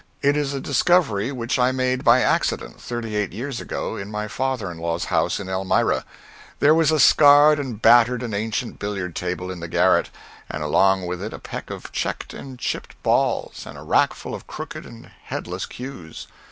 It is a discovery which I made by accident, thirty eight years ago, in my father in law's house in Elmira. There was a scarred and battered and ancient billiard table in the garret, and along with it a peck of checked and chipped balls, and a rackful of crooked and headless cues.